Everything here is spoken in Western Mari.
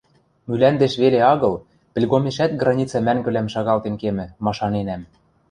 Мӱландеш веле агыл, пӹлгомешӓт границӓ мӓнгӹвлӓм шагалтен кемӹ, машаненӓм...